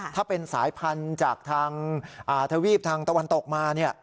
ถ้าเป็นสายพันธุ์จากทางทวีปทางตะวันตกมา